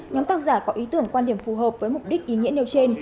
nhóm tác giả có ý tưởng quan điểm phù hợp với mục đích ý nghĩa nêu trên